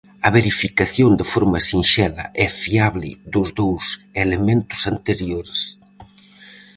A verificación de forma sinxela e fiable dos dous elementos anteriores.